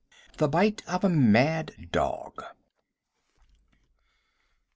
The Bite of a Mad Dog.